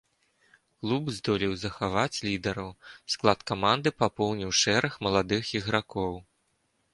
Клуб здолеў захаваць лідараў, склад каманды папоўніў шэраг маладых ігракоў.